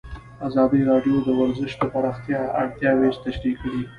ازادي راډیو د ورزش د پراختیا اړتیاوې تشریح کړي.